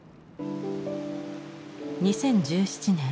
２０１７年